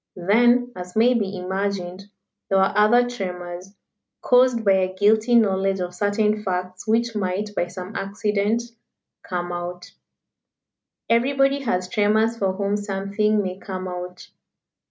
Then, as may be imagined, there were other tremors, caused by a guilty knowledge of certain facts which might by some accident "come out." Everybody has tremors for whom something may come out.